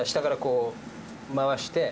「回して。